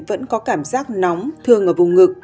vẫn có cảm giác nóng thường ở vùng ngực